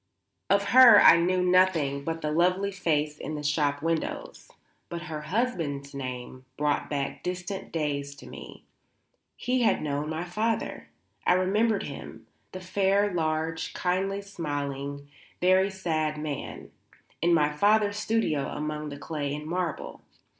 Of her I knew nothing but the lovely face in the shop windows. But her husband's name brought back distant days to me. He had known my father; I remembered him the fair, large, kindly smiling, very sad man in my father's studio among the clay and marble.